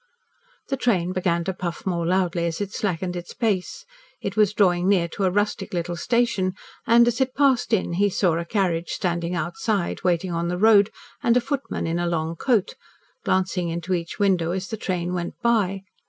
The train began to puff more loudly, as it slackened its pace. It was drawing near to a rustic little station, and, as it passed in, he saw a carriage standing outside, waiting on the road, and a footman in a long coat, glancing into each window as the train went by.